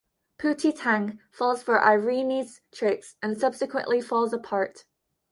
Pootie Tang falls for Ireenie's tricks and subsequently falls apart.